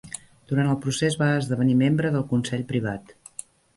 Durant el procés va esdevenir membre del Consell Privat.